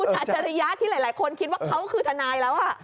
อาจริยะที่หลายคนคิดว่าเขาคือทนายแล้ว